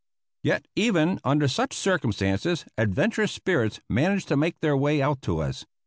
Yet even under such circumstances adventurous spirits managed to make their way out to us.